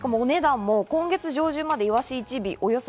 お値段も今月上旬までイワシ１尾